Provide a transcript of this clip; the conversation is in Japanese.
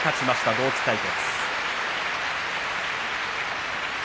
同期生対決。